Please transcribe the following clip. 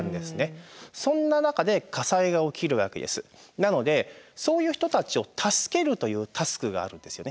なのでそういう人たちを助けるというタスクがあるんですよね。